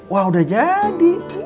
wah udah jadi